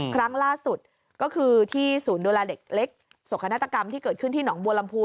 ครั้งล่าสุดก็คือที่ศูนย์ดูแลเด็กเล็กโศกนาฏกรรมที่เกิดขึ้นที่หนองบัวลำพู